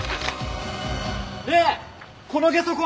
ねえこのゲソ痕